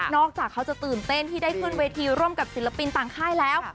จากเขาจะตื่นเต้นที่ได้ขึ้นเวทีร่วมกับศิลปินต่างค่ายแล้ว